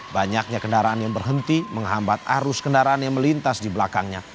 banyaknya kendaraan yang berhenti menghambat arus kendaraan yang melintas di belakangnya